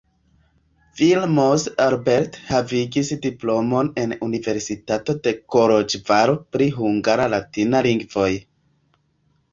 Vilmos Albert havigis diplomon en Universitato de Koloĵvaro pri hungara-latina lingvoj.